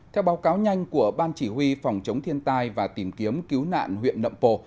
theo báo cáo nhanh của ban chỉ huy phòng chống thiên tai và tìm kiếm cứu nạn huyện nậm pồ